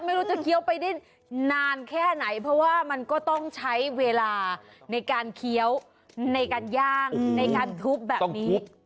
ไม่รู้จะเคี้ยวไปได้นานแค่ไหนเพราะว่ามันก็ต้องใช้เวลาในการเคี้ยวในการย่างในการทุบแบบนี้